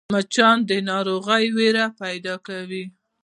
مچان د ناروغۍ وېره پیدا کوي